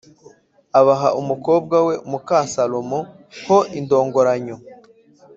abaha umukobwa we muka Salomo ho indongoranyo